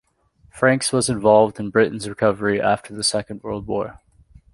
Franks was involved in Britain's recovery after the Second World War.